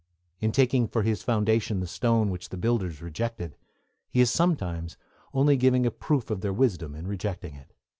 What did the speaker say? In taking for his foundation the stone which the builders rejected he is sometimes only giving a proof of their wisdom in rejecting it.